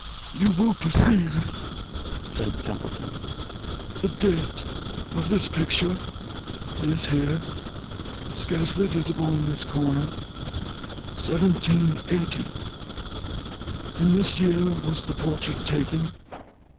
"You will perceive," said Templeton, "the date of this picture—it is here, scarcely visible, in this corner—1780. In this year was the portrait taken.